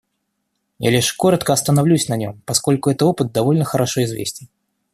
Я лишь коротко остановлюсь на нем, поскольку этот опыт довольно хорошо известен.